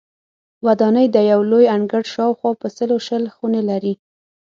ودانۍ د یو لوی انګړ شاوخوا په سلو شل خونې لري.